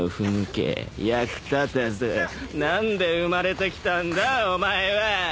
何で生まれてきたんだお前は。